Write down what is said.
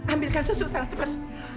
ambilkan susu secara tepat